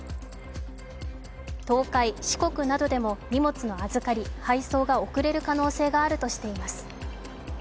東海、四国などでも荷物の預かり、配送が遅れる可能性があるとしています。